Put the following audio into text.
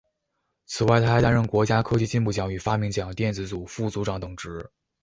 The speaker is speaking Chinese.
此外他还担任国家科技进步奖与发明奖电子组副组长等职。